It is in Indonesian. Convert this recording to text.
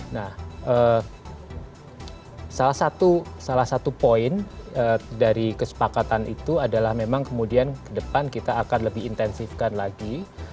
nah salah satu poin dari kesepakatan itu adalah memang kemudian ke depan kita akan lebih intensifkan lagi